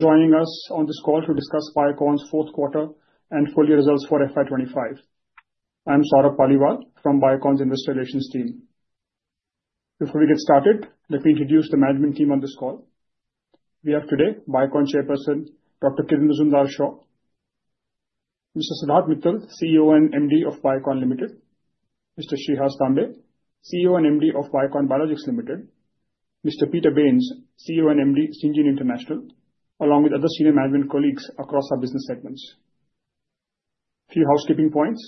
Joining us on this call to discuss Biocon's fourth quarter and full-year results for FY2025. I'm Saurabh Paliwal from Biocon's Investor Relations team. Before we get started, let me introduce the management team on this call. We have today Biocon Chairperson, Dr. Kiran Mazumdar-Shaw; Mr. Siddharth Mittal, CEO and MD of Biocon Limited; Mr. Shreehas Tambe, CEO and MD of Biocon Biologics Limited; Mr. Peter Bains, CEO and MD of Syngene International, along with other senior management colleagues across our business segments. A few housekeeping points.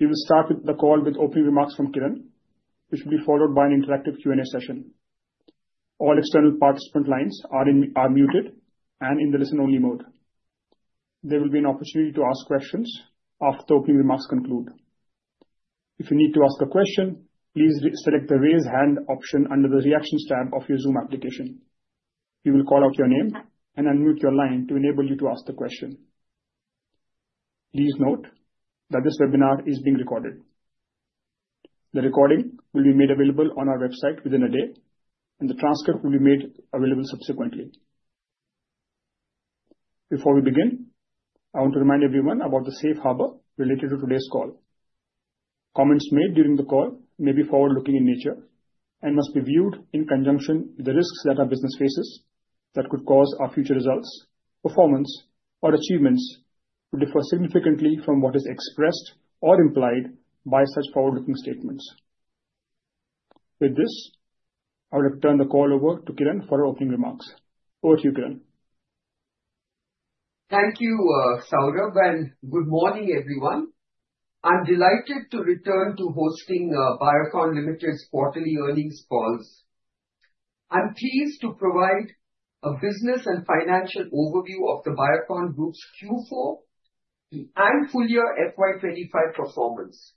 We will start the call with opening remarks from Kiran, which will be followed by an interactive Q&A session. All external participant lines are muted and in the listen-only mode. There will be an opportunity to ask questions after the opening remarks conclude. If you need to ask a question, please select the Raise Hand option under the Reactions tab of your Zoom application. We will call out your name and unmute your line to enable you to ask the question. Please note that this webinar is being recorded. The recording will be made available on our website within a day, and the transcript will be made available subsequently. Before we begin, I want to remind everyone about the safe harbor related to today's call. Comments made during the call may be forward-looking in nature and must be viewed in conjunction with the risks that our business faces that could cause our future results, performance, or achievements to differ significantly from what is expressed or implied by such forward-looking statements. With this, I would like to turn the call over to Kiran for her opening remarks. Over to you, Kiran. Thank you, Saurabh, and good morning, everyone. I'm delighted to return to hosting Biocon Limited's quarterly earnings calls. I'm pleased to provide a business and financial overview of the Biocon Group's Q4 and full-year FY2025 performance.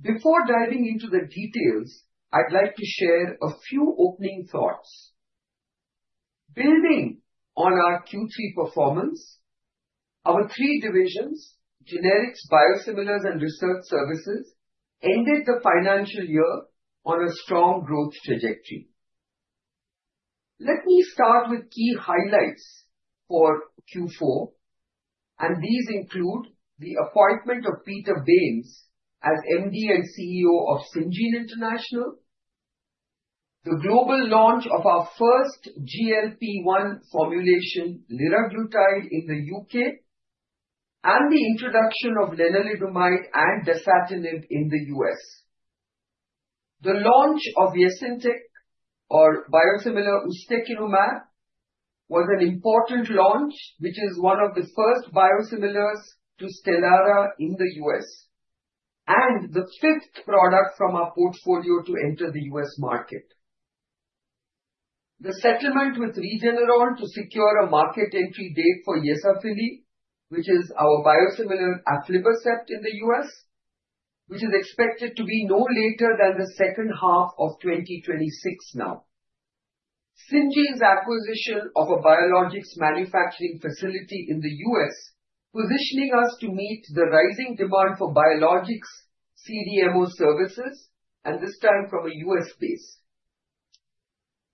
Before diving into the details, I'd like to share a few opening thoughts. Building on our Q3 performance, our three divisions—generics, biosimilars, and research services—ended the financial year on a strong growth trajectory. Let me start with key highlights for Q4, and these include the appointment of Peter Bains as MD and CEO of Syngene International, the global launch of our first GLP-1 formulation, Liraglutide, in the U.K., and the introduction of Lenalidomide and Dasatinib in the U.S. The launch of Yesintek, or biosimilar Ustekinumab, was an important launch, which is one of the first biosimilars to Stelara in the U.S., and the fifth product from our portfolio to enter the U.S. market. The settlement with Regeneron to secure a market entry date for Yesafili, which is our biosimilar Aflibercept in the US, is expected to be no later than the second half of 2026 now. Syngene's acquisition of a biologics manufacturing facility in the US positioned us to meet the rising demand for biologics CDMO services, and this time from a US base.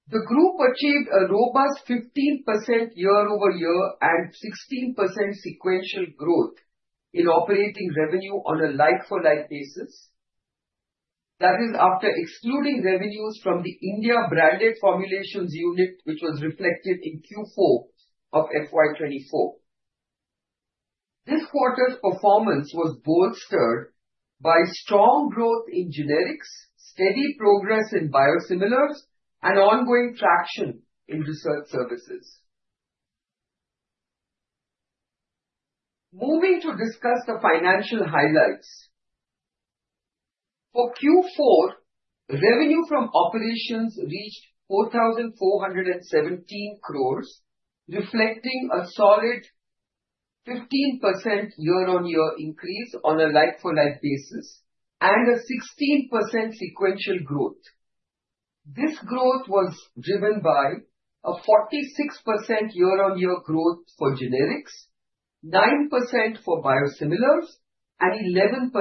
The group achieved a robust 15% year-over-year and 16% sequential growth in operating revenue on a like-for-like basis. That is, after excluding revenues from the India-branded formulations unit, which was reflected in Q4 of FY2024. This quarter's performance was bolstered by strong growth in generics, steady progress in biosimilars, and ongoing traction in research services. Moving to discuss the financial highlights. For Q4, revenue from operations reached 4,417 crores, reflecting a solid 15% year-on-year increase on a like-for-like basis and a 16% sequential growth. This growth was driven by a 46% year-on-year growth for generics, 9% for biosimilars, and 11%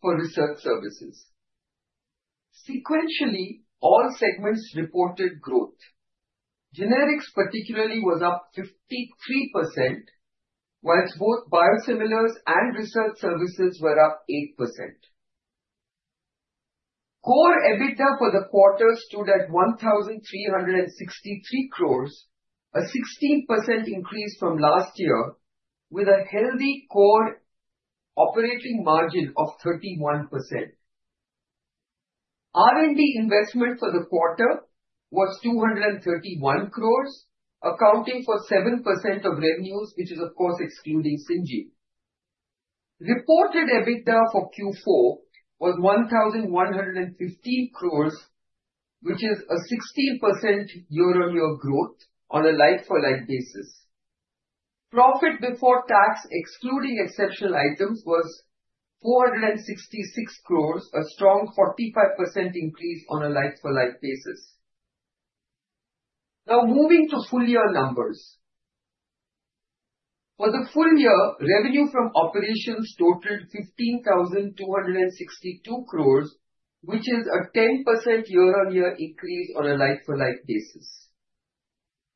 for research services. Sequentially, all segments reported growth. Generics particularly was up 53%, whilst both biosimilars and research services were up 8%. Core EBITDA for the quarter stood at 1,363 crore, a 16% increase from last year, with a healthy core operating margin of 31%. R&D investment for the quarter was 231 crore, accounting for 7% of revenues, which is, of course, excluding Syngene. Reported EBITDA for Q4 was 1,115 crore, which is a 16% year-on-year growth on a like-for-like basis. Profit before tax, excluding exceptional items, was 466 crore, a strong 45% increase on a like-for-like basis. Now, moving to full-year numbers. For the full year, revenue from operations totaled 15,262 crore, which is a 10% year-on-year increase on a like-for-like basis.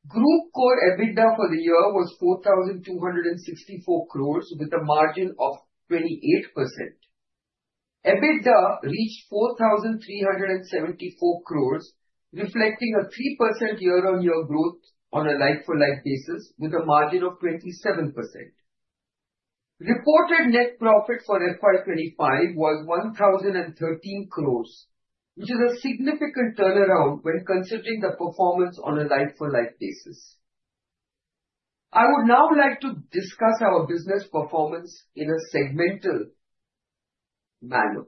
Group core EBITDA for the year was 4,264 crore, with a margin of 28%. EBITDA reached 4,374 crore, reflecting a 3% year-on-year growth on a like-for-like basis, with a margin of 27%. Reported net profit for FY 2025 was 1,013 crore, which is a significant turnaround when considering the performance on a like-for-like basis. I would now like to discuss our business performance in a segmental manner.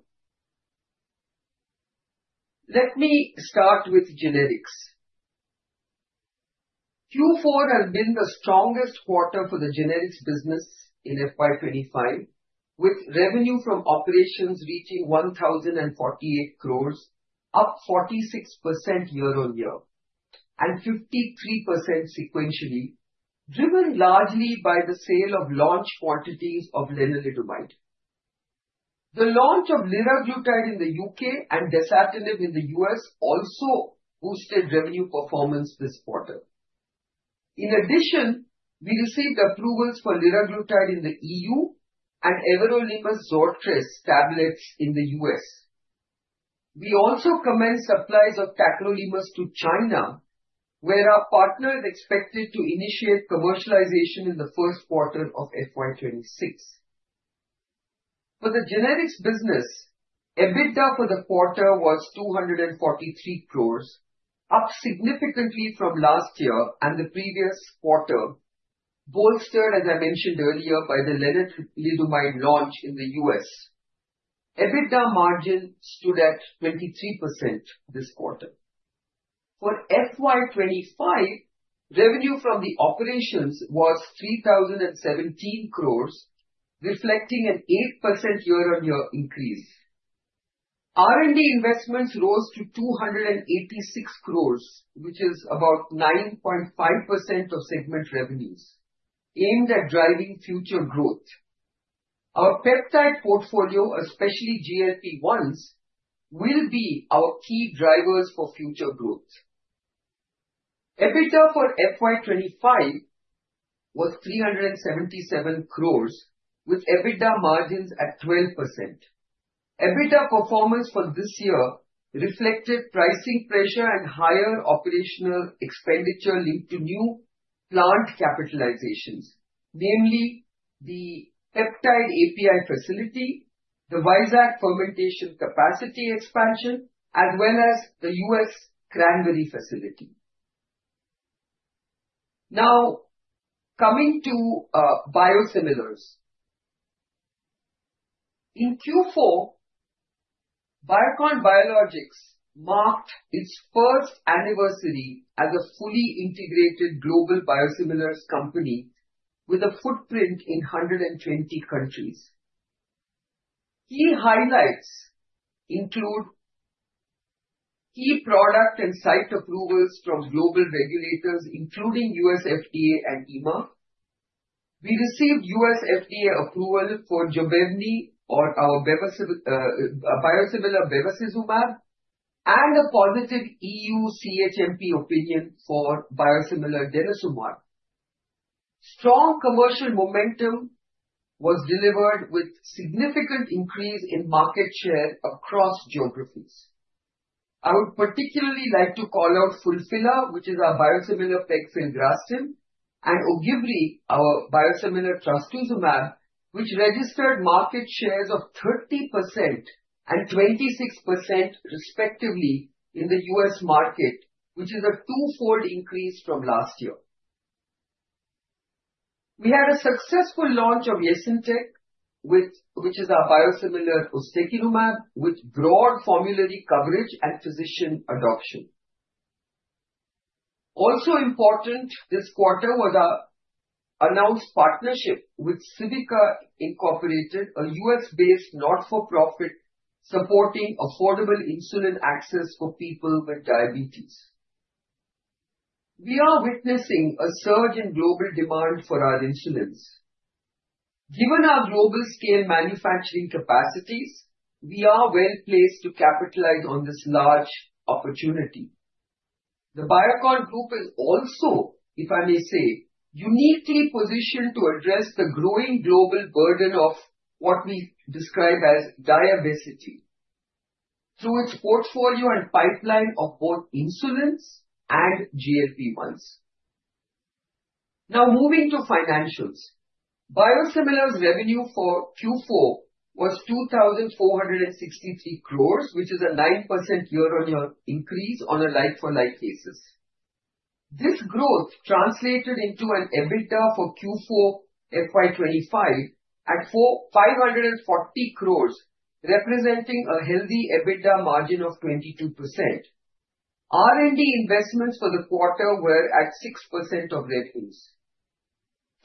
Let me start with generics. Q4 has been the strongest quarter for the generics business in FY 2025, with revenue from operations reaching 1,048 crore, up 46% year-on-year and 53% sequentially, driven largely by the sale of launch quantities of Lenalidomide. The launch of Liraglutide in the U.K. and Dasatinib in the U.S. also boosted revenue performance this quarter. In addition, we received approvals for liraglutide in the E.U. and everolimus Zortress tablets in the U.S. We also commenced supplies of tacrolimus to China, where our partner is expected to initiate commercialization in the first quarter of FY2026. For the generics business, EBITDA for the quarter was 243 crores, up significantly from last year and the previous quarter, bolstered, as I mentioned earlier, by the lenalidomide launch in the US. EBITDA margin stood at 23% this quarter. For FY2025, revenue from the operations was 3,017 crores, reflecting an 8% year-on-year increase. R&D investments rose to 286 crores, which is about 9.5% of segment revenues, aimed at driving future growth. Our peptide portfolio, especially GLP-1s, will be our key drivers for future growth. EBITDA for FY2025 was 377 crores, with EBITDA margins at 12%. EBITDA performance for this year reflected pricing pressure and higher operational expenditure linked to new plant capitalizations, namely the peptide API facility, the Vysak fermentation capacity expansion, as well as the U.S. cranberry facility. Now, coming to biosimilars. In Q4, Biocon Biologics marked its first anniversary as a fully integrated global biosimilars company with a footprint in 120 countries. Key highlights include key product and site approvals from global regulators, including U.S. FDA and EMA. We received U.S. FDA approval for Jobevne, our biosimilar Bevacizumab, and a positive E.U. CHMP opinion for biosimilar Denosumab. Strong commercial momentum was delivered, with significant increase in market share across geographies. I would particularly like to call out Fulfilla, which is our biosimilar Pegfilgrastim, and Ogivri, our biosimilar Trastuzumab, which registered market shares of 30% and 26%, respectively, in the U.S. market, which is a twofold increase from last year. We had a successful launch of Yesintek, which is our biosimilar Ustekinumab, with broad formulary coverage and physician adoption. Also important this quarter was our announced partnership with Civica Incorporated, a U.S.-based not-for-profit supporting affordable insulin access for people with diabetes. We are witnessing a surge in global demand for our insulins. Given our global-scale manufacturing capacities, we are well placed to capitalize on this large opportunity. The Biocon Group is also, if I may say, uniquely positioned to address the growing global burden of what we describe as diabesity through its portfolio and pipeline of both insulins and GLP-1s. Now, moving to financials. Biosimilars revenue for Q4 was 2,463 crores, which is a 9% year-on-year increase on a like-for-like basis. This growth translated into an EBITDA for Q4 FY2025 at 540 crores, representing a healthy EBITDA margin of 22%. R&D investments for the quarter were at 6% of revenues.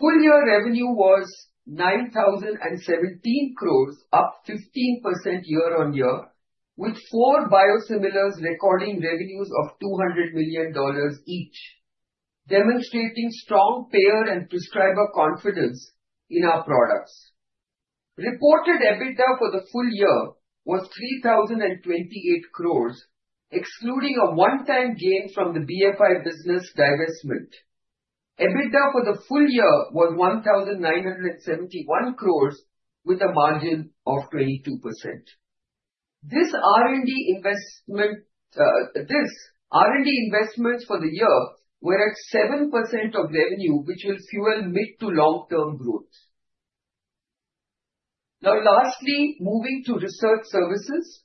Full-year revenue was 9,017 crores, up 15% year-on-year, with four biosimilars recording revenues of $200 million each, demonstrating strong payer and prescriber confidence in our products. Reported EBITDA for the full year was 3,028 crores, excluding a one-time gain from the BFI business divestment. EBITDA for the full year was 1,971 crores, with a margin of 22%. This R&D investments for the year were at 7% of revenue, which will fuel mid to long-term growth. Now, lastly, moving to research services.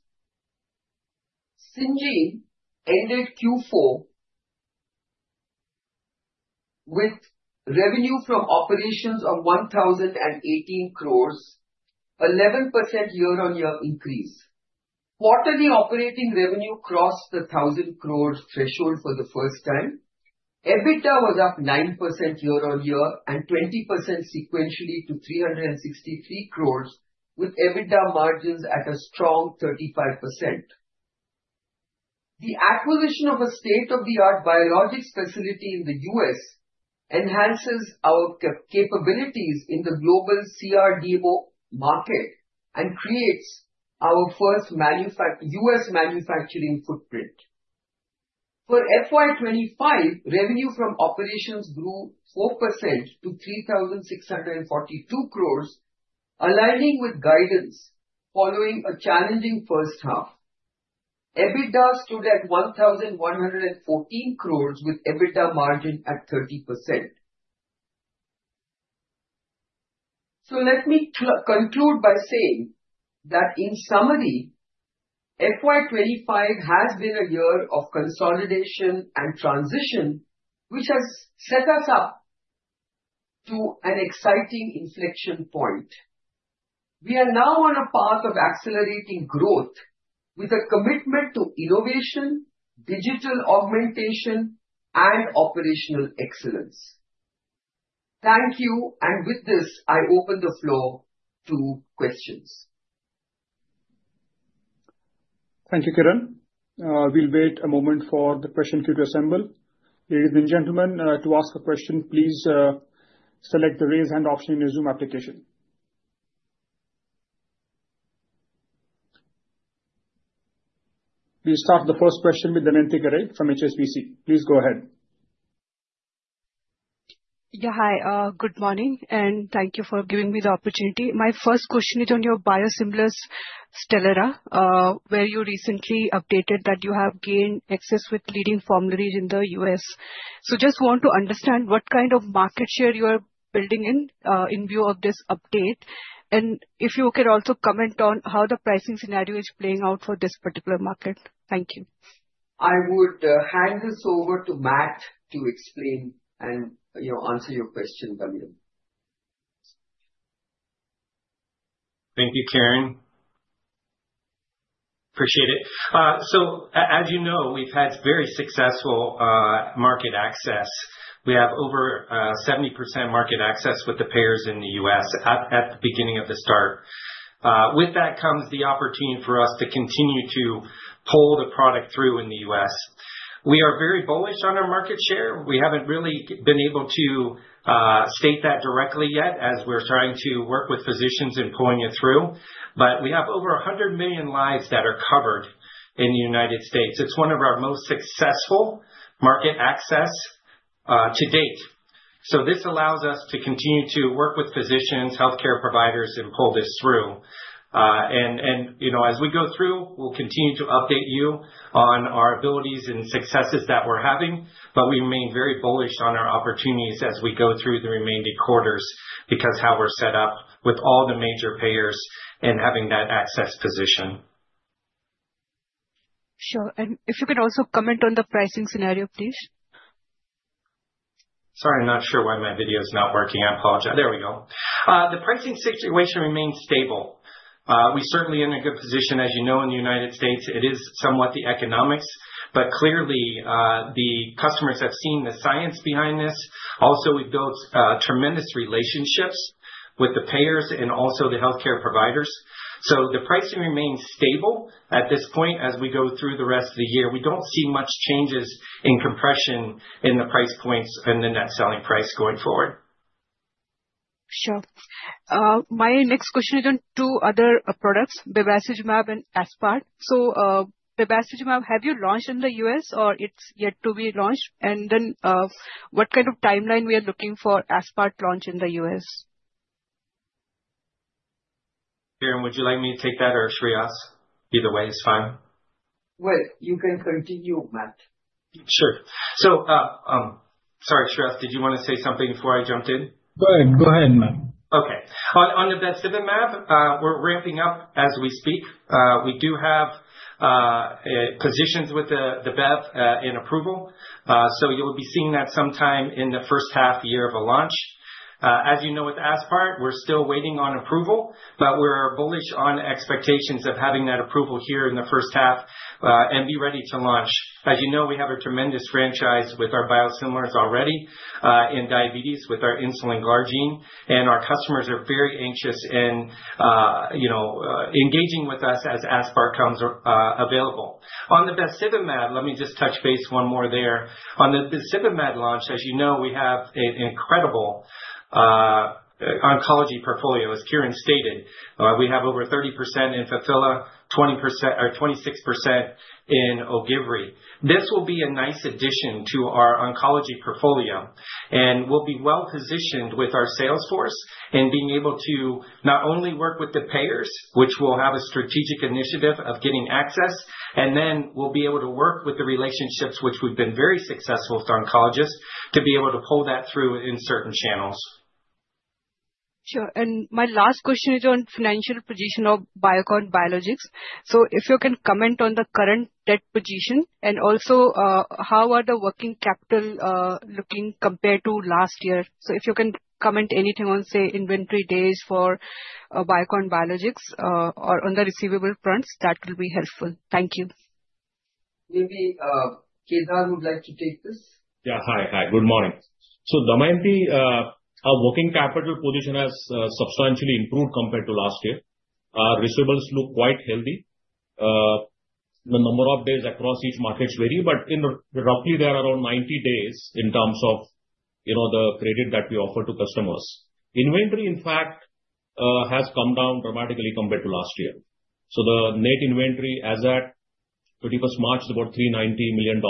Syngene ended Q4 with revenue from operations of 1,018 crores, 11% year-on-year increase. Quarterly operating revenue crossed the 1,000 crore threshold for the first time. EBITDA was up 9% year-on-year and 20% sequentially to 363 crores, with EBITDA margins at a strong 35%. The acquisition of a state-of-the-art biologics facility in the US enhances our capabilities in the global CRDMO market and creates our first US manufacturing footprint. For FY2025, revenue from operations grew 4% to 3,642 crores, aligning with guidance following a challenging first half. EBITDA stood at 1,114 crores, with EBITDA margin at 30%. Let me conclude by saying that, in summary, FY2025 has been a year of consolidation and transition, which has set us up to an exciting inflection point. We are now on a path of accelerating growth with a commitment to innovation, digital augmentation, and operational excellence. Thank you, and with this, I open the floor to questions. Thank you, Kiran. We'll wait a moment for the question queue to assemble. Ladies and gentlemen, to ask a question, please select the raise hand option in your Zoom application. We'll start the first question with Ananthi Garai from HSBC. Please go ahead. Yeah, hi. Good morning, and thank you for giving me the opportunity. My first question is on your biosimilars Stelara, where you recently updated that you have gained access with leading formularies in the U.S. Just want to understand what kind of market share you are building in in view of this update, and if you could also comment on how the pricing scenario is playing out for this particular market. Thank you. I would hand this over to Matt to explain and answer your question, Babil. Thank you, Kiran. Appreciate it. As you know, we've had very successful market access. We have over 70% market access with the payers in the U.S. at the beginning of the start. With that comes the opportunity for us to continue to pull the product through in the U.S. We are very bullish on our market share. We haven't really been able to state that directly yet as we're trying to work with physicians in pulling it through, but we have over 100 million lives that are covered in the U.S. It's one of our most successful market access to date. This allows us to continue to work with physicians, healthcare providers, and pull this through. As we go through, we'll continue to update you on our abilities and successes that we're having, but we remain very bullish on our opportunities as we go through the remaining quarters because of how we're set up with all the major payers and having that access position. Sure. If you could also comment on the pricing scenario, please. Sorry, I'm not sure why my video is not working. I apologize. There we go. The pricing situation remains stable. We certainly are in a good position, as you know, in the U.S. It is somewhat the economics, but clearly, the customers have seen the science behind this. Also, we've built tremendous relationships with the payers and also the healthcare providers. So the pricing remains stable at this point as we go through the rest of the year. We don't see much changes in compression in the price points and the net selling price going forward. Sure. My next question is on two other products, Bevacizumab and Aspart. So Bevacizumab, have you launched in the U.S., or it's yet to be launched? And then what kind of timeline we are looking for Aspart launch in the U.S.? Kiran, would you like me to take that, or Shreehas? Either way is fine. You can continue, Matt. Sure. Sorry, Shreehas, did you want to say something before I jumped in? Go ahead, Matt. Okay. On the Bevacizumab, we're ramping up as we speak. We do have positions with the BEV in approval, so you'll be seeing that sometime in the first half year of a launch. As you know, with Aspart, we're still waiting on approval, but we're bullish on expectations of having that approval here in the first half and be ready to launch. As you know, we have a tremendous franchise with our biosimilars already in diabetes with our Insulin Glargine, and our customers are very anxious and engaging with us as Aspart comes available. On the Bevacizumab, let me just touch base one more there. On the Bevacizumab launch, as you know, we have an incredible oncology portfolio, as Kiran stated. We have over 30% in Fulfilla, 26% in Ogivri. This will be a nice addition to our oncology portfolio and will be well positioned with our sales force and being able to not only work with the payers, which will have a strategic initiative of getting access, and then we'll be able to work with the relationships, which we've been very successful with oncologists, to be able to pull that through in certain channels. Sure. My last question is on financial position of Biocon Biologics. If you can comment on the current debt position and also how are the working capital looking compared to last year. If you can comment anything on, say, inventory days for Biocon Biologics or on the receivable fronts, that will be helpful. Thank you. Maybe Kedar would like to take this. Yeah. Hi. Hi. Good morning. Ananthi, our working capital position has substantially improved compared to last year. Our receivables look quite healthy. The number of days across each market is varying, but roughly there are around 90 days in terms of the credit that we offer to customers. Inventory, in fact, has come down dramatically compared to last year. The net inventory as at 21st March is about $390 million.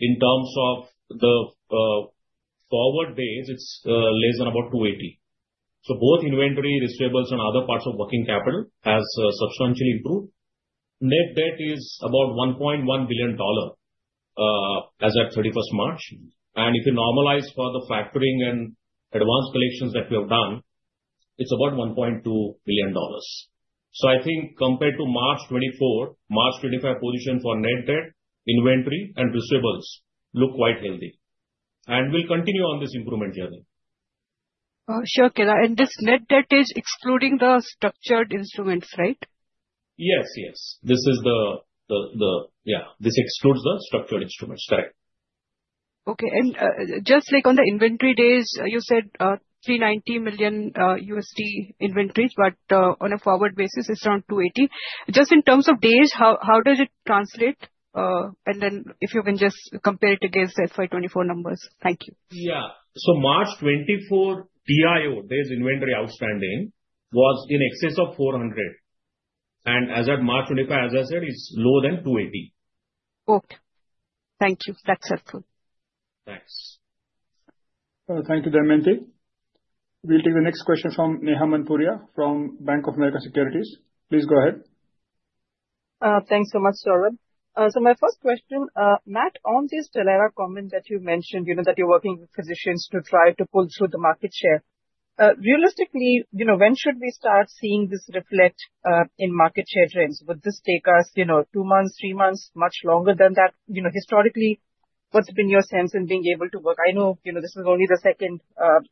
In terms of the forward days, it is less than about 280. Both inventory, receivables, and other parts of working capital have substantially improved. Net debt is about $1.1 billion as at 31st March. If you normalize for the factoring and advanced collections that we have done, it is about $1.2 billion. I think compared to March 2024, March 2025 position for net debt, inventory, and receivables look quite healthy. We will continue on this improvement journey. Sure, Kedar. This net debt is excluding the structured instruments, right? Yes, yes. This is the, yeah, this excludes the structured instruments. Correct. Okay. Just like on the inventory days, you said $390 million inventories, but on a forward basis, it's around $280 million. Just in terms of days, how does it translate? If you can just compare it against FY2024 numbers. Thank you. Yeah. March 2024 DIO, days inventory outstanding, was in excess of 400. As at March 2025, as I said, it's lower than 280. Okay. Thank you. That's helpful. Thanks. Thank you, Ananthi. We'll take the next question from Neha Manpuria from Bank of America Securities. Please go ahead. Thanks so much, Saurabh. My first question, Matt, on these Stelara comments that you mentioned, that you're working with physicians to try to pull through the market share, realistically, when should we start seeing this reflect in market share trends? Would this take us two months, three months, much longer than that? Historically, what's been your sense in being able to work? I know this is only the second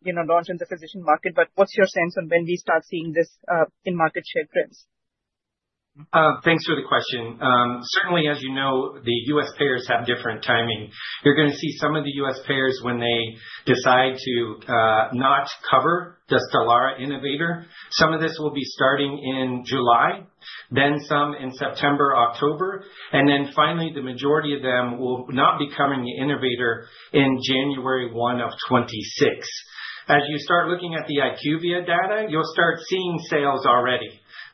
launch in the physician market, but what's your sense on when we start seeing this in market share trends? Thanks for the question. Certainly, as you know, the U.S. payers have different timing. You're going to see some of the U.S. payers when they decide to not cover the Stelara Innovator. Some of this will be starting in July, then some in September, October, and then finally, the majority of them will not be covering the Innovator on January 1 of 2026. As you start looking at the IQVIA data, you'll start seeing sales already.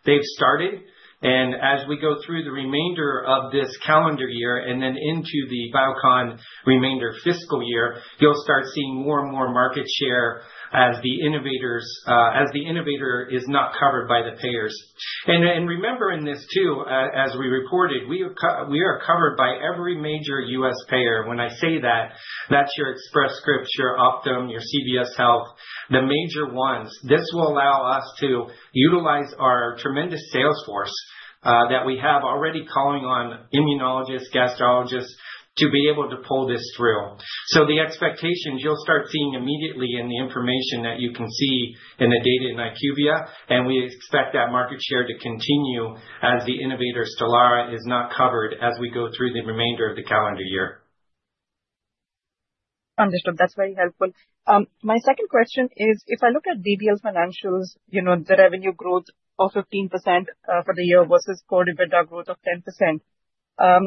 They've started. As we go through the remainder of this calendar year and then into the Biocon remainder fiscal year, you'll start seeing more and more market share as the Innovator is not covered by the payers. Remember in this too, as we reported, we are covered by every major US payer. When I say that, that's your Express Scripts, your Optum, your CVS Health, the major ones. This will allow us to utilize our tremendous sales force that we have already calling on immunologists, gastroenterologists to be able to pull this through. The expectations you'll start seeing immediately in the information that you can see in the data in IQVIA, and we expect that market share to continue as the Innovator Stelara is not covered as we go through the remainder of the calendar year. Understood. That's very helpful. My second question is, if I look at BBL Financials, the revenue growth of 15% for the year versus core EBITDA growth of 10%,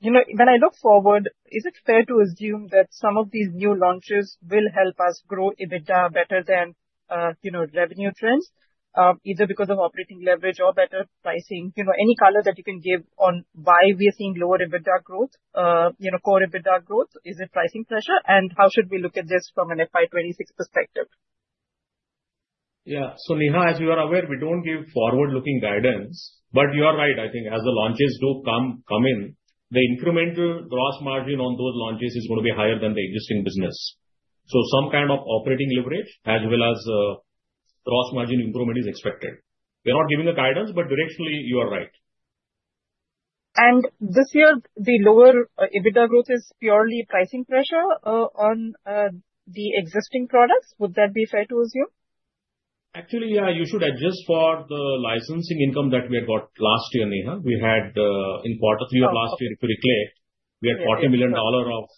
when I look forward, is it fair to assume that some of these new launches will help us grow EBITDA better than revenue trends, either because of operating leverage or better pricing? Any color that you can give on why we are seeing lower EBITDA growth, core EBITDA growth, is it pricing pressure, and how should we look at this from an FY2026 perspective? Yeah. Neha, as you are aware, we do not give forward-looking guidance, but you are right. I think as the launches do come in, the incremental gross margin on those launches is going to be higher than the existing business. Some kind of operating leverage as well as gross margin improvement is expected. We're not giving the guidance, but directionally, you are right. This year, the lower EBITDA growth is purely pricing pressure on the existing products. Would that be fair to assume? Actually, yeah, you should adjust for the licensing income that we had got last year, Neha. We had in quarter three of last year, if you recall, we had $40 million of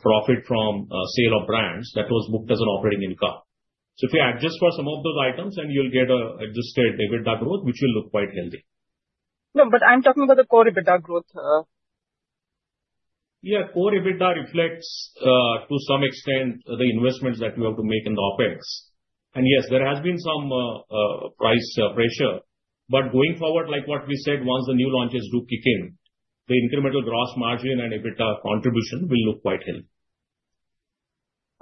profit from sale of brands that was booked as an operating income. If you adjust for some of those items, then you'll get an adjusted EBITDA growth, which will look quite healthy. No, but I'm talking about the core EBITDA growth. Yeah. Core EBITDA reflects, to some extent, the investments that we have to make in the Opex. Yes, there has been some price pressure, but going forward, like what we said, once the new launches do kick in, the incremental gross margin and EBITDA contribution will look quite healthy.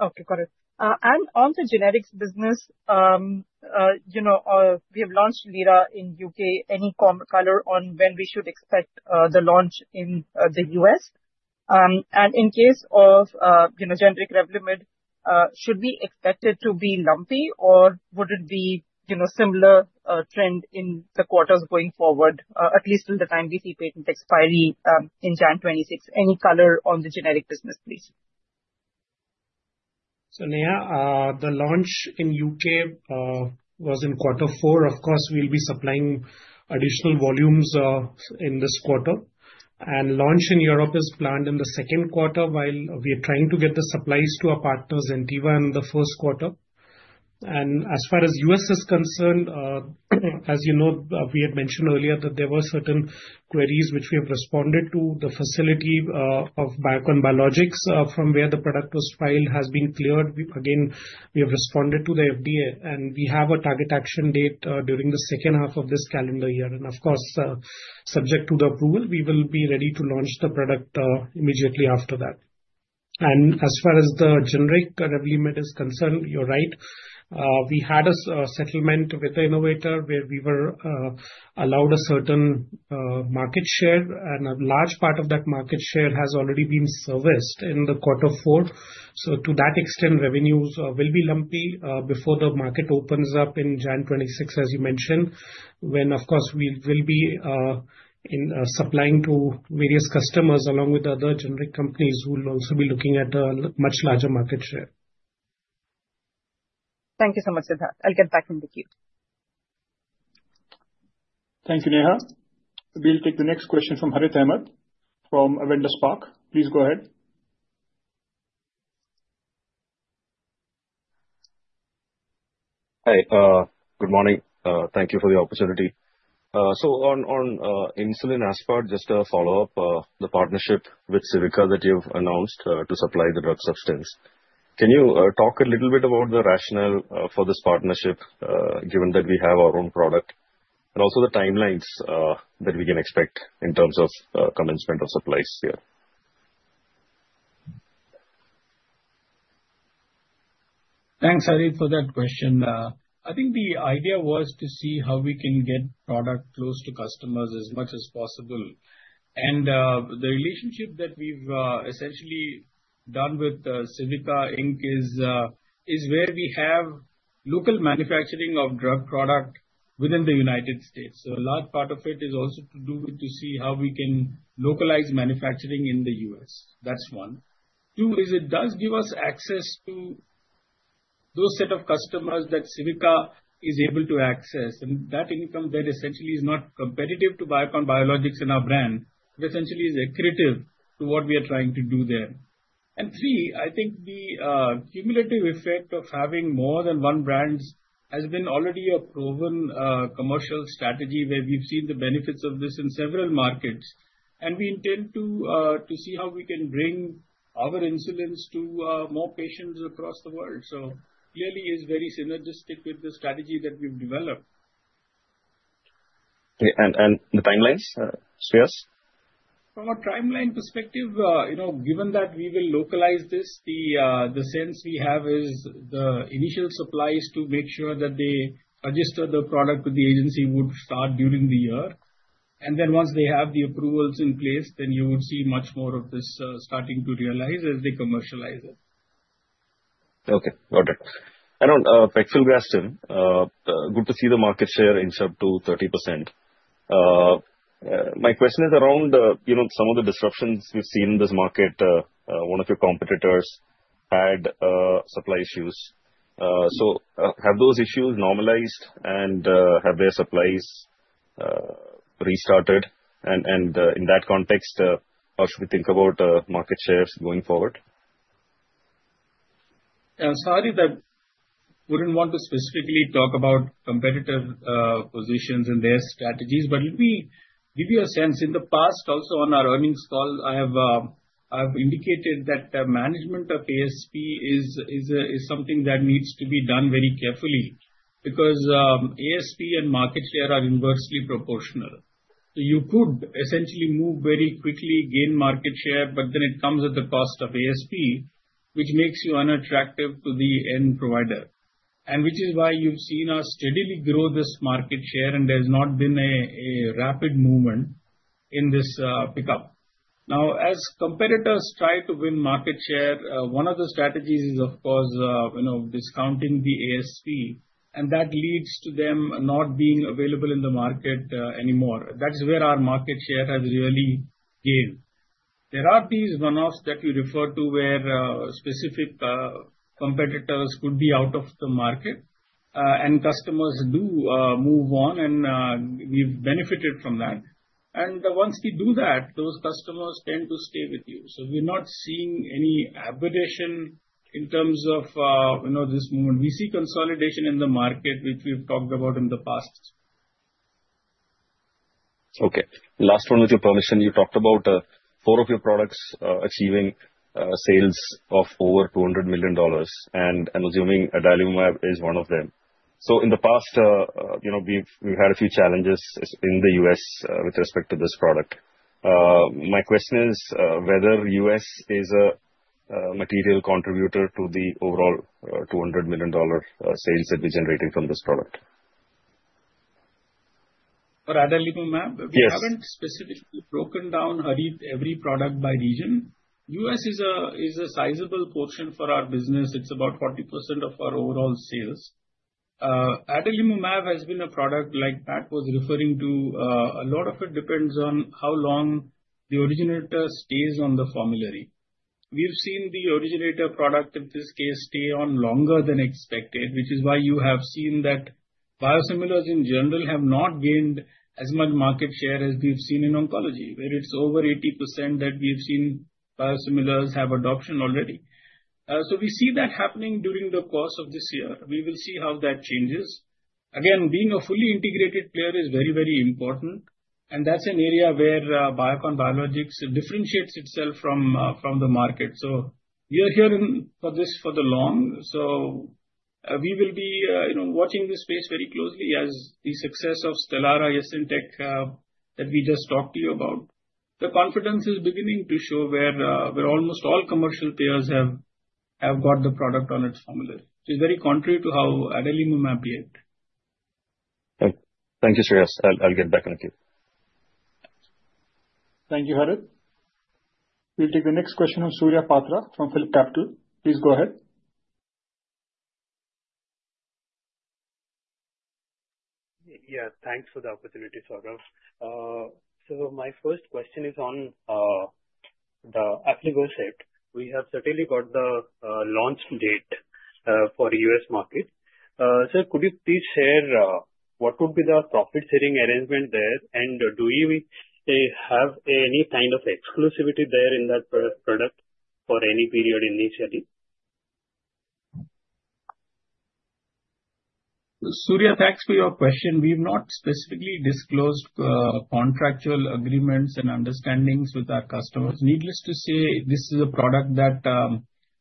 Okay. Got it. On the generics business, we have launched Lira in the U.K. Any color on when we should expect the launch in the U.S.? In case of generic Revlimid, should we expect it to be lumpy, or would it be a similar trend in the quarters going forward, at least till the time we see patent expiry in January 2026? Any color on the generic business, please? Neha, the launch in the U.K. was in quarter four. Of course, we will be supplying additional volumes in this quarter. Launch in Europe is planned in the second quarter, while we are trying to get the supplies to our partners in Teva in the first quarter. As far as the U.S. is concerned, you know, we had mentioned earlier that there were certain queries which we have responded to. The facility of Biocon Biologics, from where the product was filed, has been cleared. We have responded to the FDA, and we have a target action date during the second half of this calendar year. Of course, subject to the approval, we will be ready to launch the product immediately after that. As far as the generic Revlimid is concerned, you're right. We had a settlement with the Innovator where we were allowed a certain market share, and a large part of that market share has already been serviced in quarter four. To that extent, revenues will be lumpy before the market opens up in January 2026, as you mentioned, when, of course, we will be supplying to various customers along with other generic companies who will also be looking at a much larger market share. Thank you so much, Siddharth. I'll get back in the queue. Thank you, Neha. We'll take the next question from Harith Ahmad from Avenda Spark. Please go ahead. Hi. Good morning. Thank you for the opportunity. On insulin Aspart, just a follow-up, the partnership with Civica that you've announced to supply the drug substance. Can you talk a little bit about the rationale for this partnership, given that we have our own product, and also the timelines that we can expect in terms of commencement of supplies here? Thanks, Harith, for that question. I think the idea was to see how we can get product close to customers as much as possible. The relationship that we've essentially done with Civica Incorporated is where we have local manufacturing of drug product within the US. A large part of it is also to do with to see how we can localize manufacturing in the U.S. That's one. Two is it does give us access to those set of customers that Civica Incorporated is able to access. That income there essentially is not competitive to Biocon Biologics and our brand. It essentially is accretive to what we are trying to do there. Three, I think the cumulative effect of having more than one brand has been already a proven commercial strategy where we've seen the benefits of this in several markets. We intend to see how we can bring our insulins to more patients across the world. It is very synergistic with the strategy that we have developed. The timelines, Shreehas? From a timeline perspective, given that we will localize this, the sense we have is the initial supplies to make sure that they register the product with the agency would start during the year. Once they have the approvals in place, you would see much more of this starting to realize as they commercialize it. Okay. Got it. On Fulfilla, good to see the market share in sub to 30%. My question is around some of the disruptions we have seen in this market. One of your competitors had supply issues. Have those issues normalized, and have their supplies restarted? In that context, how should we think about market shares going forward? Yeah. Sorry that I would not want to specifically talk about competitor positions and their strategies, but let me give you a sense. In the past, also on our earnings call, I have indicated that the management of ASP is something that needs to be done very carefully because ASP and market share are inversely proportional. You could essentially move very quickly, gain market share, but then it comes at the cost of ASP, which makes you unattractive to the end provider, and which is why you have seen us steadily grow this market share, and there has not been a rapid movement in this pickup. Now, as competitors try to win market share, one of the strategies is, of course, discounting the ASP, and that leads to them not being available in the market anymore. That's where our market share has really gained. There are these one-offs that you refer to where specific competitors could be out of the market, and customers do move on, and we've benefited from that. Once we do that, those customers tend to stay with you. We're not seeing any aberration in terms of this movement. We see consolidation in the market, which we've talked about in the past. Okay. Last one with your permission, you talked about four of your products achieving sales of over $200 million, and I'm assuming Adalimumab is one of them. In the past, we've had a few challenges in the U.S. with respect to this product. My question is whether the U.S. is a material contributor to the overall $200 million sales that we're generating from this product. For Adalimumab, we haven't specifically broken down, Harith, every product by region. U.S. is a sizable portion for our business. It's about 40% of our overall sales. Adalimumab has been a product like Matt was referring to. A lot of it depends on how long the originator stays on the formulary. We've seen the originator product, in this case, stay on longer than expected, which is why you have seen that biosimilars in general have not gained as much market share as we've seen in oncology, where it's over 80% that we've seen biosimilars have adoption already. We see that happening during the course of this year. We will see how that changes. Again, being a fully integrated player is very, very important, and that's an area where Biocon Biologics differentiates itself from the market. We are here for this for the long. We will be watching this space very closely as the success of Stelara Yesintik that we just talked to you about. The confidence is beginning to show where almost all commercial players have got the product on its formulary, which is very contrary to how Adalimumab behaved. Thank you, Shreehas. I'll get back in the queue. Thank you, Harith. We'll take the next question from Surya Patra from PhilipCapital. Please go ahead. Yeah. Thanks for the opportunity, Saurabh. My first question is on the Aflibercept. We have certainly got the launch date for the US market. Could you please share what would be the profit-sharing arrangement there, and do we have any kind of exclusivity there in that product for any period initially? Surya, thanks for your question. We've not specifically disclosed contractual agreements and understandings with our customers. Needless to say, this is a product that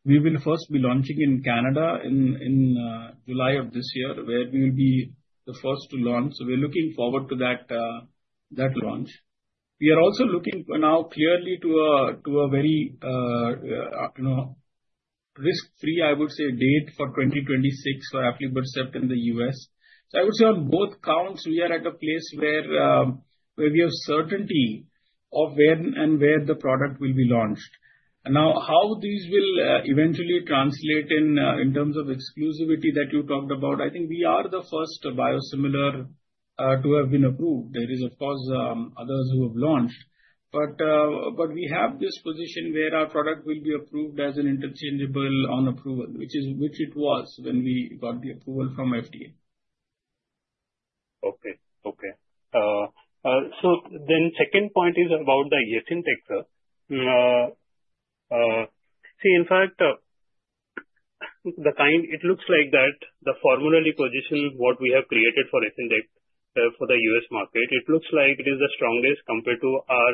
we will first be launching in Canada in July of this year, where we will be the first to launch. We are looking forward to that launch. We are also looking now clearly to a very risk-free, I would say, date for 2026 for Aflibercept in the U.S. I would say on both counts, we are at a place where we have certainty of when and where the product will be launched. Now, how these will eventually translate in terms of exclusivity that you talked about, I think we are the first biosimilar to have been approved. There are, of course, others who have launched, but we have this position where our product will be approved as an interchangeable on approval, which it was when we got the approval from FDA. Okay. Okay. The second point is about the Yesintek. In fact, it looks like the formulary position we have created for Yesintek for the US market is the strongest compared to our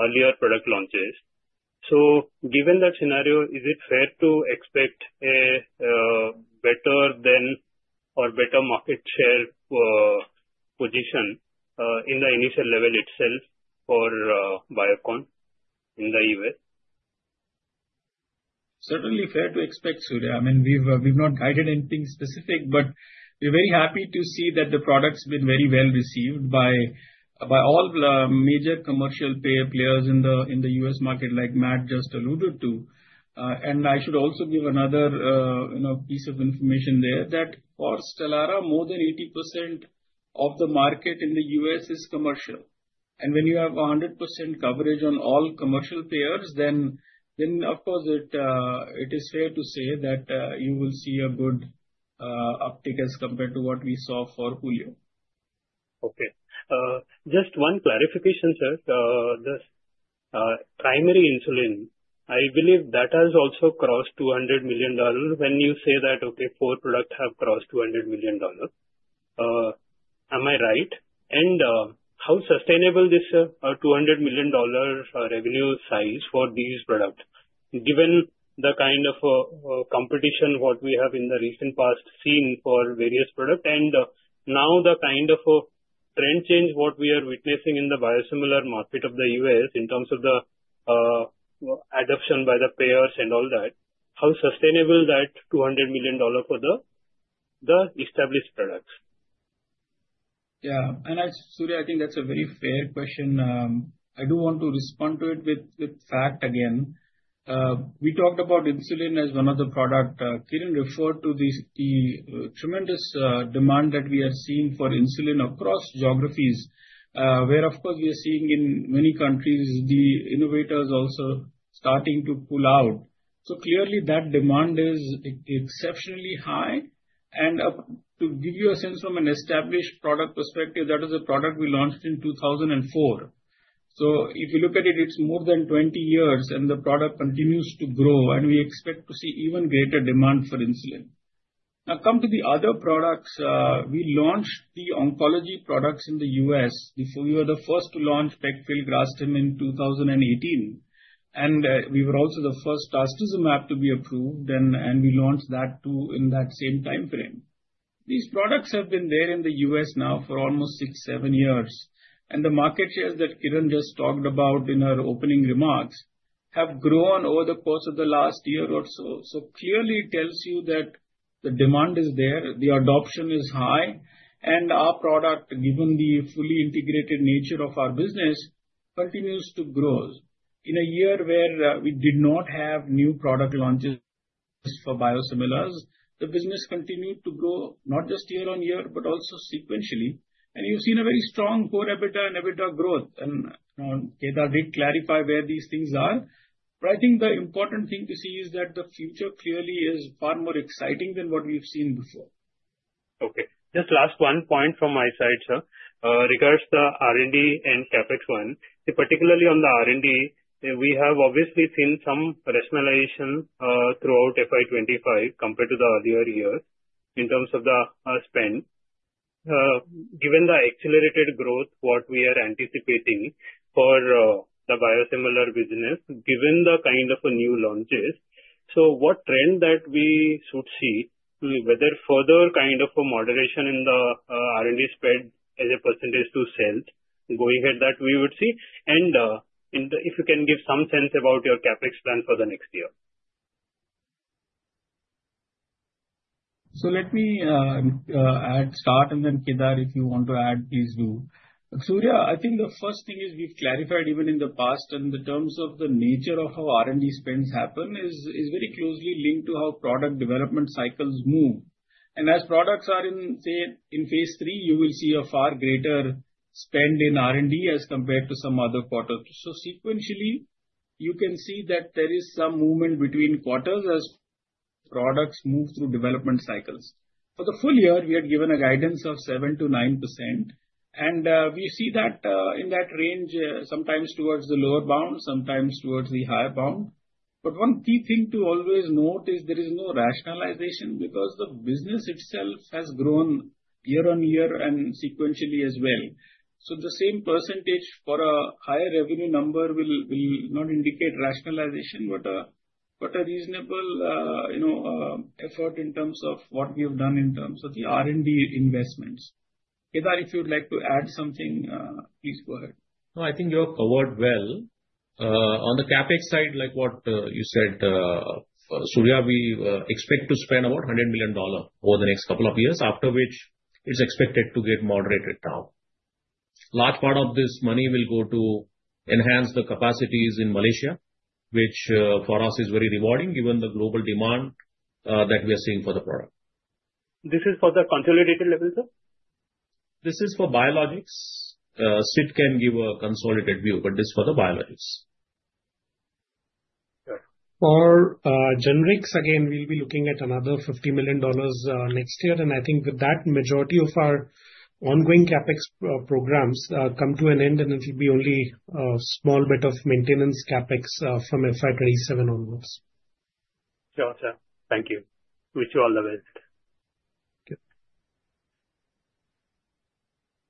earlier product launches. Given that scenario, is it fair to expect a better or better market share position at the initial level itself for Biocon in the U.S.? Certainly fair to expect, Surya. I mean, we've not guided anything specific, but we're very happy to see that the product's been very well received by all major commercial players in the U.S. market, like Matt just alluded to. I should also give another piece of information there that for Stelara, more than 80% of the market in the U.S. is commercial. When you have 100% coverage on all commercial players, it is fair to say that you will see a good uptick as compared to what we saw for Julio. Okay. Just one clarification, sir. The primary insulin, I believe that has also crossed $200 million. When you say that four products have crossed $200 million, am I right? How sustainable is a $200 million revenue size for these products, given the kind of competition we have in the recent past seen for various products? Now the kind of trend change we are witnessing in the biosimilar market of the U.S. in terms of the adoption by the payers and all that, how sustainable is that $200 million for the established products? Yeah. Surya, I think that is a very fair question. I do want to respond to it with fact again. We talked about insulin as one of the products. Kiran referred to the tremendous demand that we have seen for insulin across geographies, where, of course, we are seeing in many countries, the innovators also starting to pull out. Clearly, that demand is exceptionally high. To give you a sense from an established product perspective, that is a product we launched in 2004. If you look at it, it is more than 20 years, and the product continues to grow, and we expect to see even greater demand for insulin. Now, come to the other products. We launched the oncology products in the U.S. We were the first to launch Pegfilgrastim in 2018, and we were also the first Bevacizumab to be approved, and we launched that too in that same time frame. These products have been there in the U.S. now for almost six, seven years, and the market shares that Kiran just talked about in her opening remarks have grown over the course of the last year or so. Clearly, it tells you that the demand is there, the adoption is high, and our product, given the fully integrated nature of our business, continues to grow. In a year where we did not have new product launches for biosimilars, the business continued to grow not just year on year, but also sequentially. You have seen a very strong core EBITDA and EBITDA growth. Kedar did clarify where these things are. I think the important thing to see is that the future clearly is far more exciting than what we have seen before. Okay. Just last one point from my side, sir, regards to R&D and CapEx one. Particularly on the R&D, we have obviously seen some rationalization throughout FY 2025 compared to the earlier years in terms of the spend. Given the accelerated growth, what we are anticipating for the biosimilar business, given the kind of new launches, what trend that we should see, whether further kind of a moderation in the R&D spend as a percentage to sales going ahead that we would see, and if you can give some sense about your CapEx plan for the next year. Let me add. Start, and then Kedar, if you want to add, please do. Surya, I think the first thing is we have clarified even in the past, and the terms of the nature of how R&D spends happen is very closely linked to how product development cycles move. As products are in, say, in phase three, you will see a far greater spend in R&D as compared to some other quarters. Sequentially, you can see that there is some movement between quarters as products move through development cycles. For the full year, we had given a guidance of 7-9%, and we see that in that range, sometimes towards the lower bound, sometimes towards the higher bound. One key thing to always note is there is no rationalization because the business itself has grown year on year and sequentially as well. The same percentage for a higher revenue number will not indicate rationalization, but a reasonable effort in terms of what we have done in terms of the R&D investments. Kedar, if you'd like to add something, please go ahead. No, I think you covered well. On the CapEx side, like what you said, Surya, we expect to spend about $100 million over the next couple of years, after which it is expected to get moderated down. A large part of this money will go to enhance the capacities in Malaysia, which for us is very rewarding given the global demand that we are seeing for the product. This is for the consolidated level, sir? This is for biologics. Sid can give a consolidated view, but this is for the biologics. For generics, again, we will be looking at another $50 million next year, and I think with that, the majority of our ongoing CapEx programs come to an end, and it will be only a small bit of maintenance CapEx from FY 2027 onwards. Gotcha. Thank you. Wish you all the best.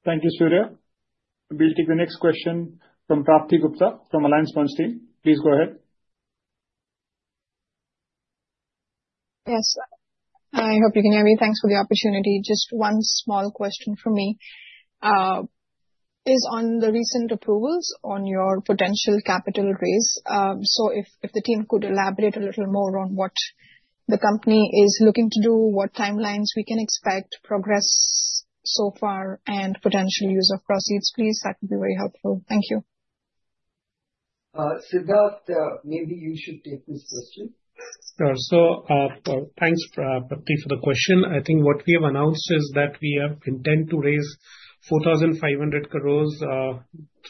Thank you, Surya. We will take the next question from Pratap Gupta from Alliance Funds team. Please go ahead. Yes, I hope you can hear me. Thanks for the opportunity. Just one small question from me is on the recent approvals on your potential capital raise. If the team could elaborate a little more on what the company is looking to do, what timelines we can expect, progress so far, and potential use of proceeds, please. That would be very helpful. Thank you. Siddharth, maybe you should take this question. Sure. Thanks, Pratap, for the question. I think what we have announced is that we have intent to raise 4,500 crore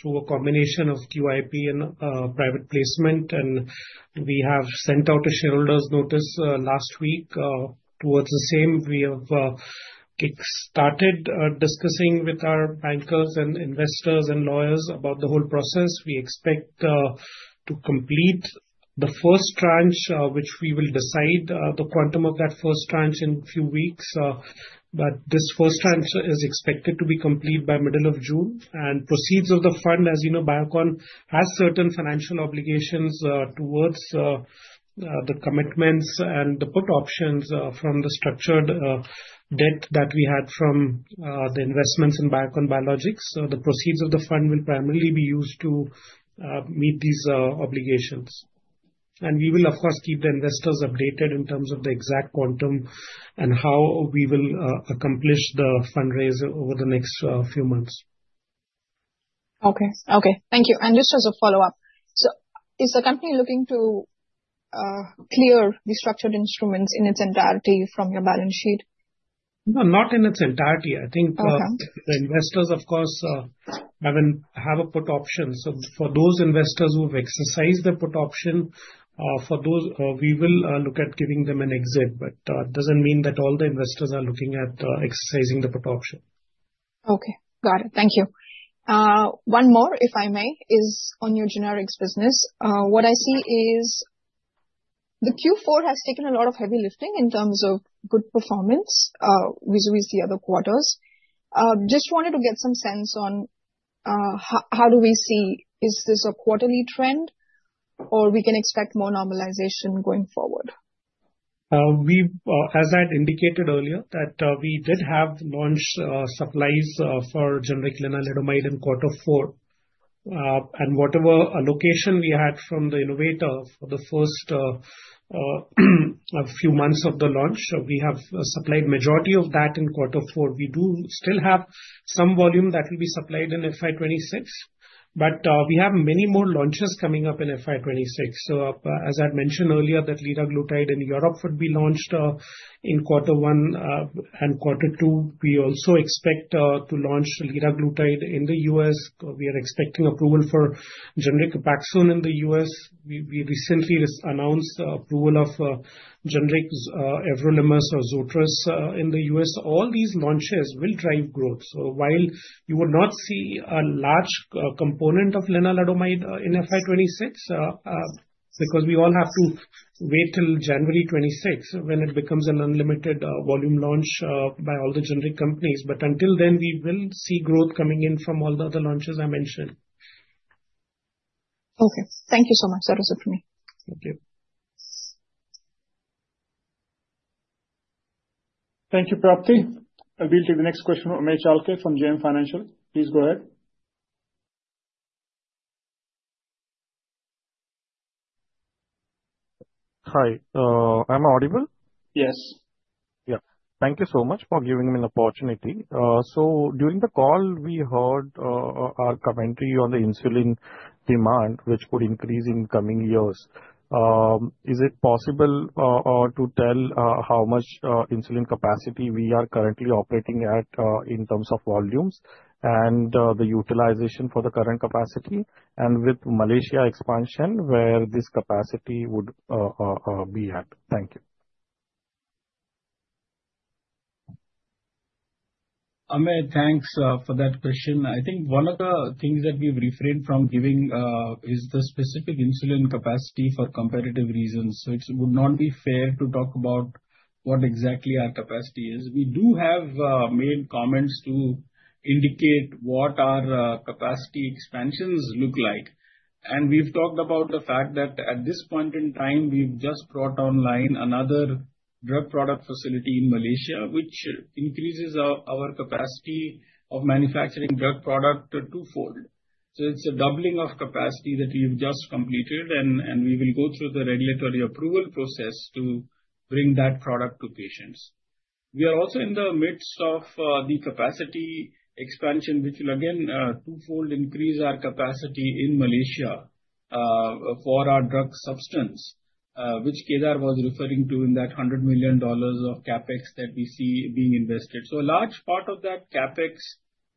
through a combination of QIP and private placement, and we have sent out a shareholders' notice last week towards the same. We have started discussing with our bankers and investors and lawyers about the whole process. We expect to complete the first tranche, which we will decide the quantum of that first tranche in a few weeks. This first tranche is expected to be complete by middle of June. Proceeds of the fund, as you know, Biocon has certain financial obligations towards the commitments and the put options from the structured debt that we had from the investments in Biocon Biologics. The proceeds of the fund will primarily be used to meet these obligations. We will, of course, keep the investors updated in terms of the exact quantum and how we will accomplish the fundraiser over the next few months. Okay. Okay. Thank you. Just as a follow-up, is the company looking to clear the structured instruments in its entirety from your balance sheet? No, not in its entirety. I think the investors, of course, have a put option. For those investors who have exercised their put option, for those, we will look at giving them an exit. It does not mean that all the investors are looking at exercising the put option. Okay. Got it. Thank you. One more, if I may, is on your generics business. What I see is the Q4 has taken a lot of heavy lifting in terms of good performance with the other quarters. Just wanted to get some sense on how do we see is this a quarterly trend, or we can expect more normalization going forward? As I had indicated earlier, we did have launch supplies for generic lenalidomide in quarter four. Whatever allocation we had from the innovator for the first few months of the launch, we have supplied the majority of that in quarter four. We do still have some volume that will be supplied in FY 2026, but we have many more launches coming up in FY 2026. As I had mentioned earlier, liraglutide in Europe would be launched in Q1 and Q2. We also expect to launch liraglutide in the US. We are expecting approval for generic Copaxone in the US. We recently announced approval of generic everolimus or Zortress in the U.S. All these launches will drive growth. While you will not see a large component of lenalidomide in FY 2026 because we all have to wait till January 2026 when it becomes an unlimited volume launch by all the generic companies, until then, we will see growth coming in from all the other launches I mentioned. Okay. Thank you so much. That was it for me. Thank you. Thank you, Pratap. I'll be able to take the next question from Amir Chalker from JM Financial. Please go ahead. Hi. I'm audible? Yes. Yeah. Thank you so much for giving me an opportunity. During the call, we heard our commentary on the insulin demand, which could increase in coming years. Is it possible to tell how much insulin capacity we are currently operating at in terms of volumes and the utilization for the current capacity and with Malaysia expansion where this capacity would be at? Thank you. Amir, thanks for that question. I think one of the things that we've refrained from giving is the specific insulin capacity for competitive reasons. It would not be fair to talk about what exactly our capacity is. We do have made comments to indicate what our capacity expansions look like. We have talked about the fact that at this point in time, we have just brought online another drug product facility in Malaysia, which increases our capacity of manufacturing drug product twofold. It is a doubling of capacity that we have just completed, and we will go through the regulatory approval process to bring that product to patients. We are also in the midst of the capacity expansion, which will again twofold increase our capacity in Malaysia for our drug substance, which Kedar was referring to in that $100 million of CapEx that we see being invested. A large part of that CapEx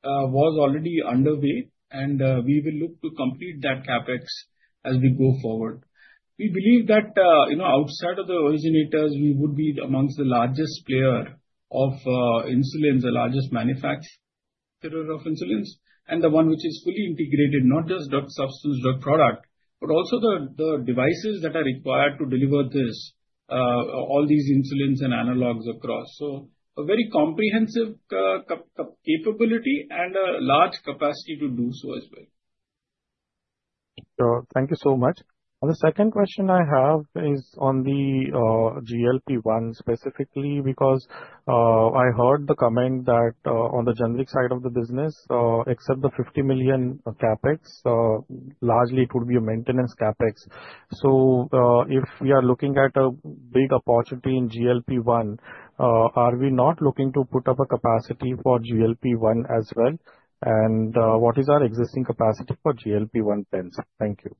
was already underway, and we will look to complete that CapEx as we go forward. We believe that outside of the originators, we would be amongst the largest player of insulins, the largest manufacturer of insulins, and the one which is fully integrated, not just drug substance, drug product, but also the devices that are required to deliver all these insulins and analogs across. A very comprehensive capability and a large capacity to do so as well. Thank you so much. The second question I have is on the GLP-1 specifically because I heard the comment that on the generic side of the business, except the $50 million CapEx, largely it would be a maintenance CapEx. If we are looking at a big opportunity in GLP-1, are we not looking to put up a capacity for GLP-1 as well? What is our existing capacity for GLP-1 pens? Thank you.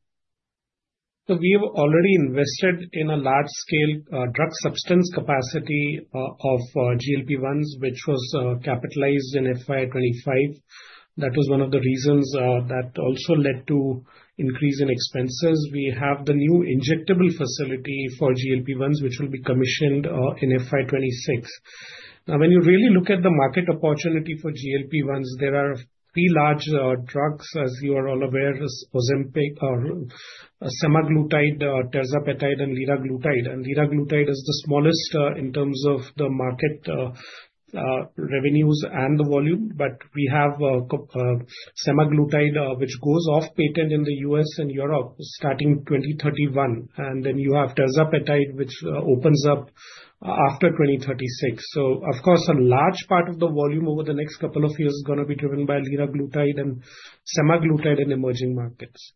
We have already invested in a large-scale drug substance capacity of GLP-1s, which was capitalized in FY 2025. That was one of the reasons that also led to increase in expenses. We have the new injectable facility for GLP-1s, which will be commissioned in FY 2026. Now, when you really look at the market opportunity for GLP-1s, there are three large drugs, as you are all aware, Semaglutide, Tirzepatide, and Liraglutide. Liraglutide is the smallest in terms of the market revenues and the volume, but we have Semaglutide, which goes off-patent in the US and Europe starting 2031. Then you have Tirzepatide, which opens up after 2036. Of course, a large part of the volume over the next couple of years is going to be driven by Liraglutide and Semaglutide in emerging markets.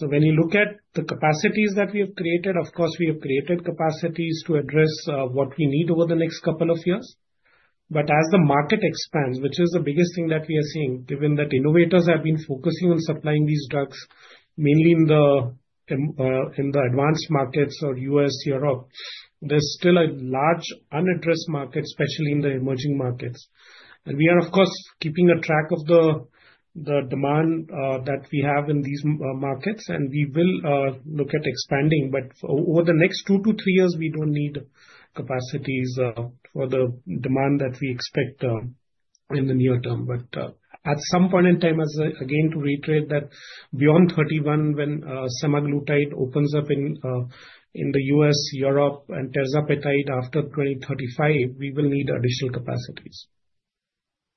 When you look at the capacities that we have created, of course, we have created capacities to address what we need over the next couple of years. As the market expands, which is the biggest thing that we are seeing, given that innovators have been focusing on supplying these drugs mainly in the advanced markets or U.S., Europe, there's still a large unaddressed market, especially in the emerging markets. We are, of course, keeping a track of the demand that we have in these markets, and we will look at expanding. Over the next two to three years, we don't need capacities for the demand that we expect in the near term. At some point in time, again, to reiterate that beyond 2031, when Semaglutide opens up in the U.S., Europe, and Terzapetide after 2035, we will need additional capacities.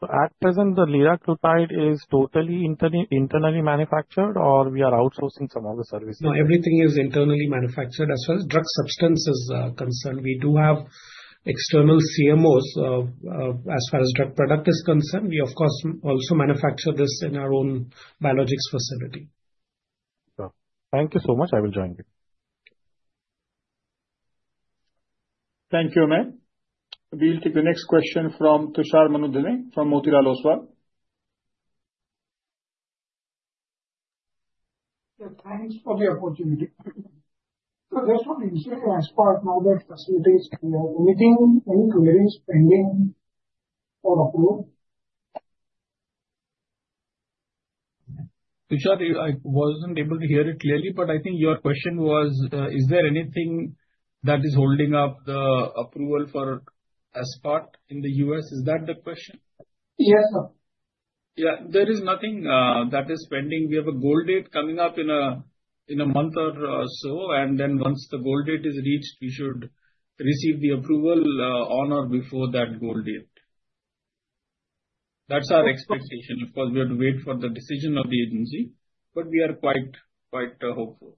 At present, the Liraglutide is totally internally manufactured, or we are outsourcing some of the services? No, everything is internally manufactured as far as drug substance is concerned. We do have external CMOs as far as drug product is concerned. We, of course, also manufacture this in our own biologics facility. Thank you so much. I will join you. Thank you, Amir. We'll take the next question from Tushar Manudhane from Motilal Oswal. Thanks for the opportunity. Just on insulin as part of our facilities, are we making any clearance pending for approval? Tushar, I wasn't able to hear it clearly, but I think your question was, is there anything that is holding up the approval for Aspart in the U.S.? Is that the question? Yes, sir. Yeah, there is nothing that is pending. We have a goal date coming up in a month or so, and then once the goal date is reached, we should receive the approval on or before that goal date. That is our expectation. Of course, we have to wait for the decision of the agency, but we are quite hopeful.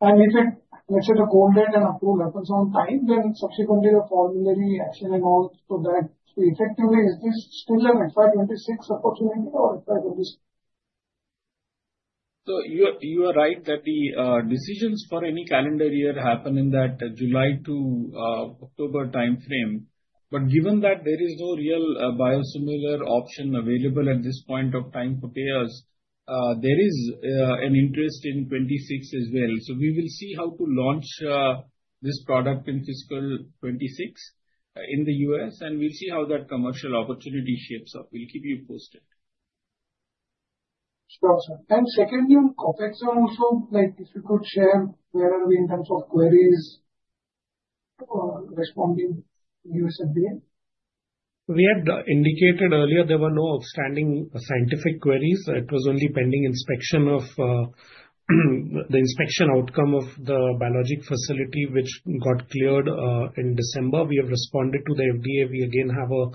If it is a goal date and approval happens on time, then subsequently, the formulary action and all so that we effectively—is this still an FI26 opportunity or FI27? You are right that the decisions for any calendar year happen in that July to October time frame. Given that there is no real biosimilar option available at this point of time for payers, there is an interest in 26 as well. We will see how to launch this product in fiscal 26 in the U.S., and we will see how that commercial opportunity shapes up. We'll keep you posted. Sure, sir. Secondly, on CapEx, also, if you could share where are we in terms of queries responding to U.S. FDA? We had indicated earlier there were no outstanding scientific queries. It was only pending inspection of the inspection outcome of the biologic facility, which got cleared in December. We have responded to the FDA. We again have a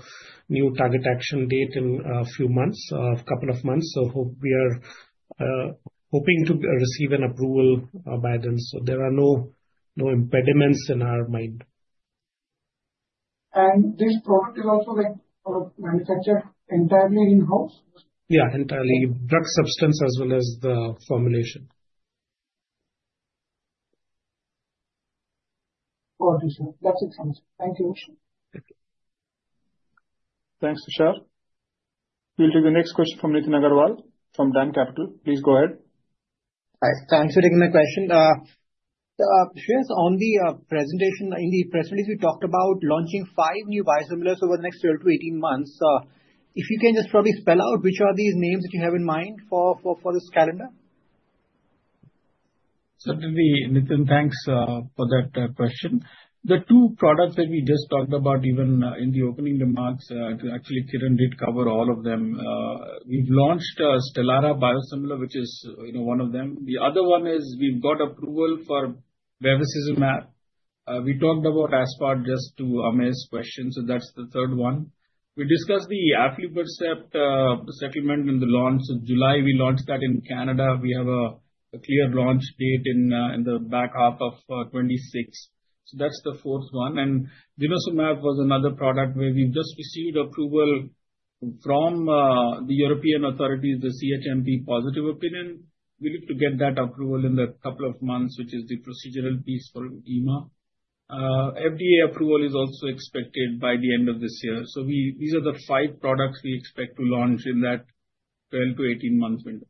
new target action date in a few months, a couple of months. We are hoping to receive an approval by then. There are no impediments in our mind. This product is also manufactured entirely in-house? Yeah, entirely. Drug substance as well as the formulation. Got it. That's it, sir. Thank you. Thanks, Tushar. We'll take the next question from Nitin Agarwal from DAM Capital. Please go ahead. Thanks for taking my question. On the presentation, in the press release, we talked about launching five new biosimilars over the next 12 to 18 months. If you can just probably spell out which are these names that you have in mind for this calendar? Certainly, Nitin, thanks for that question. The two products that we just talked about, even in the opening remarks, actually, Kiran did cover all of them. We've launched Stelara biosimilar, which is one of them. The other one is we've got approval for Bevacizumab. We talked about Aspart just to Amir's question. So that's the third one. We discussed the Aflibercept settlement in the launch. In July, we launched that in Canada. We have a clear launch date in the back half of 2026. So that's the fourth one. And Denosumab was another product where we've just received approval from the European authorities, the CHMP positive opinion. We look to get that approval in a couple of months, which is the procedural piece for EMA. FDA approval is also expected by the end of this year. These are the five products we expect to launch in that 12-18 month window.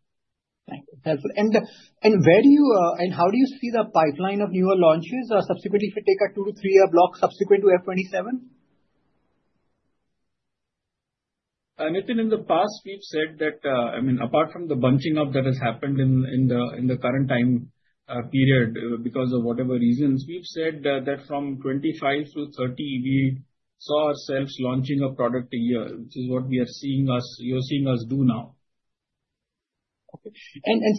Thank you. Helpful. Where do you—and how do you see the pipeline of newer launches subsequently if you take a two to three-year block subsequent to F2027? Nitin, in the past, we've said that, I mean, apart from the bunching up that has happened in the current time period because of whatever reasons, we've said that from 2025 to 2030, we saw ourselves launching a product a year, which is what we are seeing us—you're seeing us do now. Okay.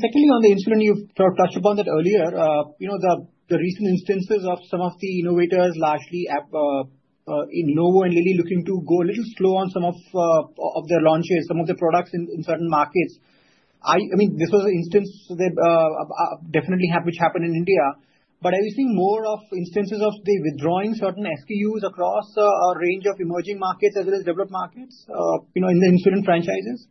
Secondly, on the insulin, you've touched upon that earlier. The recent instances of some of the innovators, largely in Novo and Lilly, looking to go a little slow on some of their launches, some of their products in certain markets. I mean, this was an instance that definitely which happened in India. Are you seeing more of instances of them withdrawing certain SKUs across a range of emerging markets as well as developed markets in the insulin franchises?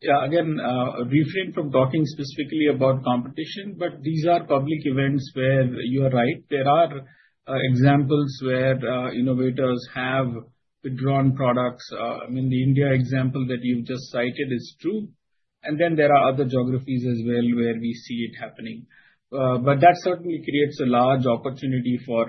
Yeah. Again, refrain from talking specifically about competition, but these are public events where you are right. There are examples where innovators have withdrawn products. I mean, the India example that you've just cited is true. There are other geographies as well where we see it happening. That certainly creates a large opportunity for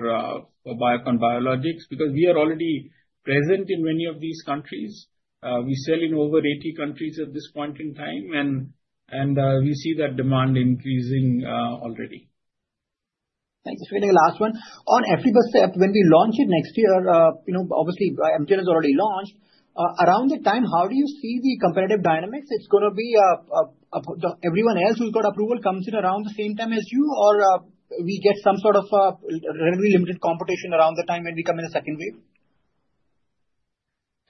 Biocon Biologics because we are already present in many of these countries. We sell in over 80 countries at this point in time, and we see that demand increasing already. Thank you for getting the last one. On Aflibercept, when we launch it next year, obviously, Amgen has already launched. Around that time, how do you see the competitive dynamics? It's going to be everyone else who's got approval comes in around the same time as you, or we get some sort of really limited competition around the time when we come in a second wave?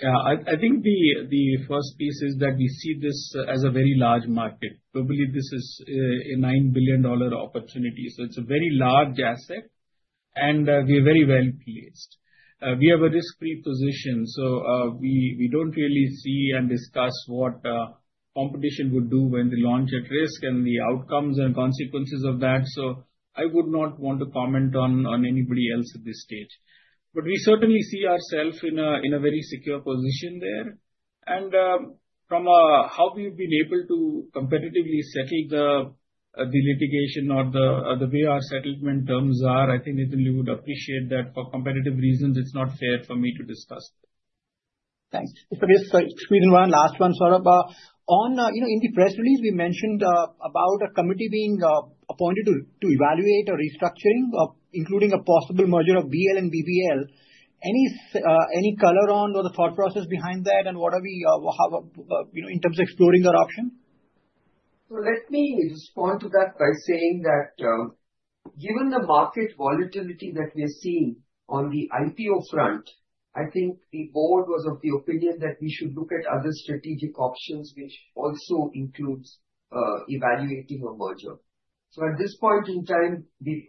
Yeah. I think the first piece is that we see this as a very large market. Probably this is a $9 billion opportunity. So it's a very large asset, and we are very well placed. We have a risk-free position. So we don't really see and discuss what competition would do when they launch at risk and the outcomes and consequences of that. I would not want to comment on anybody else at this stage. We certainly see ourselves in a very secure position there. From how we've been able to competitively settle the litigation or the way our settlement terms are, I think Nitin would appreciate that for competitive reasons. It's not fair for me to discuss. Thanks. Sorry, just a quick one. Last one, Saurabh. In the press release, we mentioned about a committee being appointed to evaluate a restructuring, including a possible merger of BL and BBL. Any color on what the thought process behind that is and where are we in terms of exploring that option? Let me respond to that by saying that given the market volatility that we are seeing on the IPO front, I think the board was of the opinion that we should look at other strategic options, which also includes evaluating a merger. At this point in time, the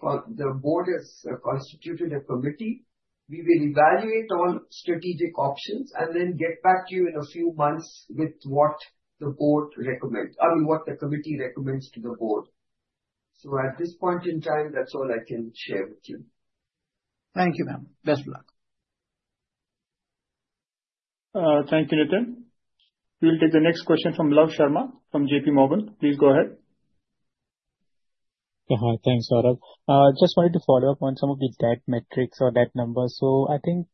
board has constituted a committee. We will evaluate all strategic options and then get back to you in a few months with what the board recommends—I mean, what the committee recommends to the board. At this point in time, that's all I can share with you. Thank you, ma'am. Best of luck. Thank you, Nitin. We'll take the next question from Love Sharma from JP Morgan. Please go ahead. Thanks, Saurabh. Just wanted to follow up on some of the debt metrics or debt numbers. I think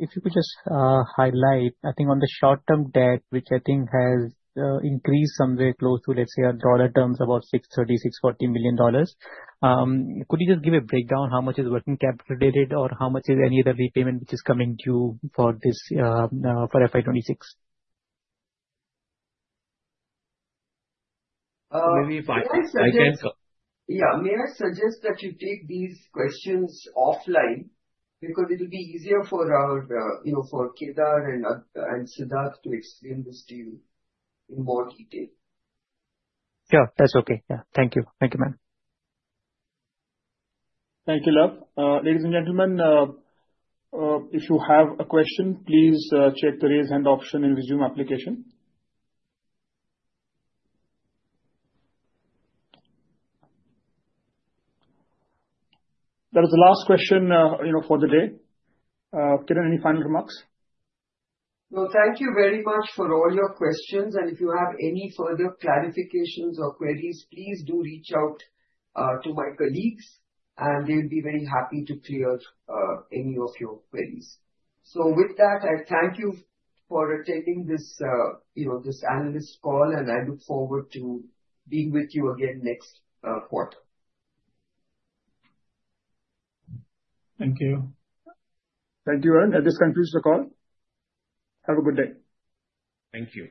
if you could just highlight, I think on the short-term debt, which I think has increased somewhere close to, let's say, on broader terms, about $630-$640 million. Could you just give a breakdown how much is working capital debited or how much is any other repayment which is coming due for FY2026? Maybe if I can—Yeah, may I suggest that you take these questions offline because it will be easier for Kedar and Sudak to explain this to you in more detail? Sure. That's okay. Yeah. Thank you. Thank you, ma'am. Thank you, Love. Ladies and gentlemen, if you have a question, please check the raise hand option in the Zoom application. That was the last question for the day. Kiran, any final remarks? Thank you very much for all your questions. If you have any further clarifications or queries, please do reach out to my colleagues, and they will be very happy to clear any of your queries. With that, I thank you for attending this analyst call, and I look forward to being with you again next quarter. Thank you. Thank you, Kiran. This concludes the call. Have a good day. Thank you.